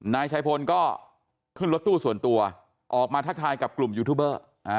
นายชัยพลก็ขึ้นรถตู้ส่วนตัวออกมาทักทายกับกลุ่มยูทูบเบอร์